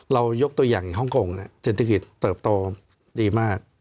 ยกตัวอย่างฮ่องกงเศรษฐกิจเติบโตดีมาก